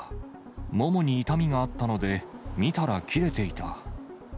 ももに痛みがあったので、見たら切れていた。